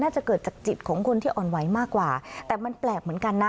จะเกิดจากจิตของคนที่อ่อนไหวมากกว่าแต่มันแปลกเหมือนกันนะ